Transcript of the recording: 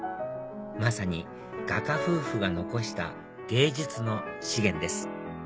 まさに画家夫婦が残した芸術の資源です